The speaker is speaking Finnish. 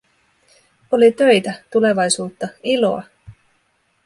Oli töitä, tulevaisuutta, iloa.